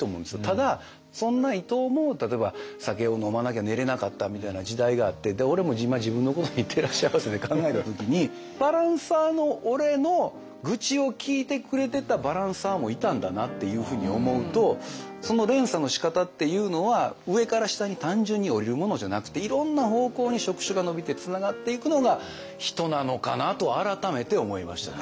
ただそんな伊藤も例えば酒を飲まなきゃ寝れなかったみたいな時代があって俺も今自分のことに照らし合わせて考えた時にバランサーの俺の愚痴を聞いてくれてたバランサーもいたんだなっていうふうに思うとその連鎖のしかたっていうのは上から下に単純に下りるものじゃなくていろんな方向に触手が伸びてつながっていくのが人なのかなと改めて思いましたね。